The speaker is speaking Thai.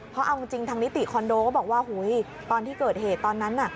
เพราะเอาจริงทางนิติคอนโดก็บอกว่าตอนที่เกิดเหตุตอนนั้นน่ะ